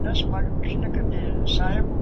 د مګنیزیم اغېز کم دی.